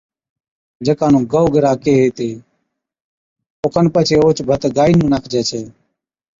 جڪا نُون گئو گِرھا ڪيھي ھِتي، اوکن پڇي اوھچ ڀت گائي نُون ناکجَي ڇَي